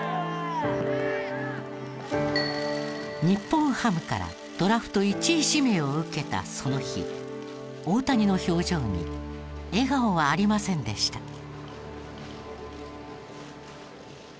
日本ハムからドラフト１位指名を受けたその日大谷の表情に笑顔はありませんでした。